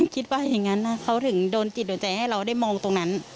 คิดว่าอย่างนั้นเขาถึงโดนจิตโดนใจให้เราได้มองตรงนั้น